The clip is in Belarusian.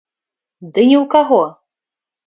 Ды ні ў каго!